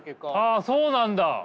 あそうなんだ。